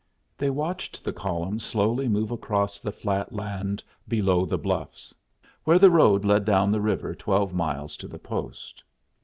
They watched the column slowly move across the flat land below the bluffs, where the road led down the river twelve miles to the post.